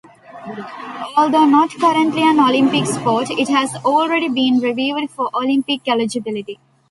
Although not currently an Olympic sport, it has already been reviewed for Olympic eligibility.